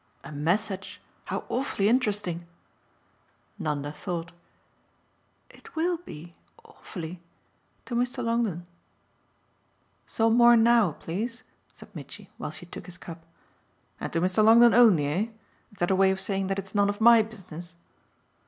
"A message? How awfully interesting!" Nanda thought. "It WILL be awfully to Mr. Longdon." "Some more NOW, please," said Mitchy while she took his cup. "And to Mr. Longdon only, eh? Is that a way of saying that it's none of MY business?"